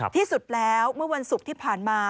ที่สุดแล้วเมื่อวันศุกร์ที่ผ่านมา